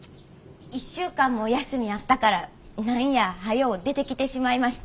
１週間も休みあったから何やはよう出てきてしまいました。